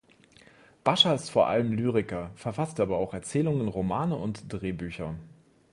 Basha ist vor allem Lyriker, verfasste aber auch Erzählungen, Romane und Drehbücher.